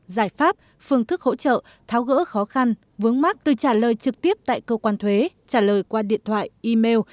giải pháp phương thức hỗ trợ tháo gỡ khó khăn vướng mắt từ trả lời trực tiếp tại cơ quan thuế trả lời qua điện thoại email